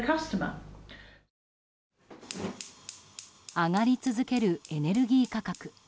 上がり続けるエネルギー価格。